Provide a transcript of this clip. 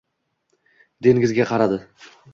dengizga qaradi.